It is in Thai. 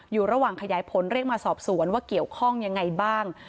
อยู่ระหว่างขยายผลเรียกมาสอบสวนว่าเกี่ยวข้องยังไงบ้าง